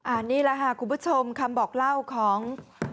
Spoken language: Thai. อันนี้แหละค่ะคุณผู้ชมคำบอกเล่าของ